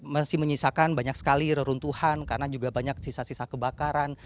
masih menyisakan banyak sekali reruntuhan karena juga banyak sisa sisa kebakaran